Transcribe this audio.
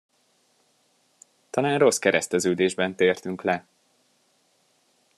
Talán rossz kereszteződésben tértünk le.